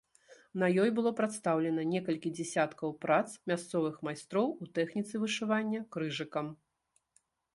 На ёй было прадстаўлена некалькі дзесяткаў прац мясцовых майстроў у тэхніцы вышывання крыжыкам.